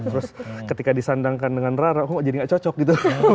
terus ketika disandangkan dengan rara kok jadi gak cocok gitu